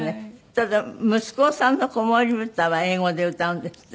ただ息子さんの子守歌は英語で歌うんですって？